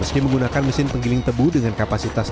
meski menggunakan mesin penggiling tebu dengan kapasitasnya